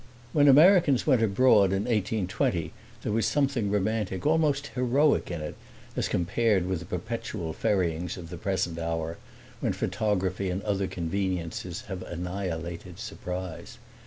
When Americans went abroad in 1820 there was something romantic, almost heroic in it, as compared with the perpetual ferryings of the present hour, when photography and other conveniences have annihilated surprise.